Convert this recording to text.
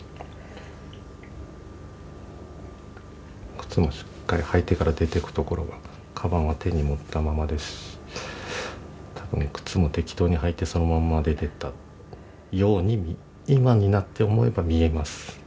靴もしっかり履いてから出ていくところをカバンは手に持ったままですし多分靴も適当に履いてそのまま出てったように今になって思えば見えます。